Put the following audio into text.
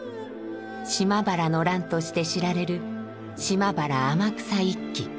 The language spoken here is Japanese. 島原の乱として知られる島原天草一揆。